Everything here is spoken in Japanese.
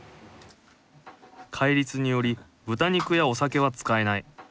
戒律により豚肉やお酒は使えない。